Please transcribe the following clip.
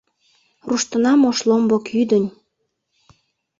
Руштынам ош ломбо кӱдынь